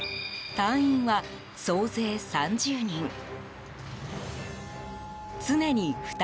隊員は総勢３０人。